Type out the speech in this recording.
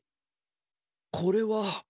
これは？